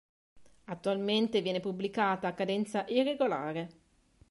Attualmente viene pubblicata a cadenza irregolare.